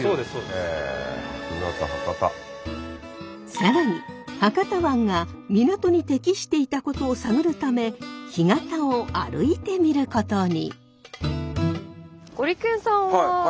更に博多湾が港に適していたことを探るため干潟を歩いてみることに。